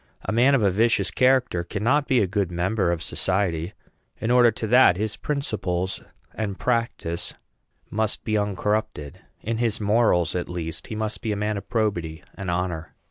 A man of a vicious character cannot be a good member of society. In order to that, his principles and practice must be uncorrupted; in his morals, at least, he must be a man of probity and honor.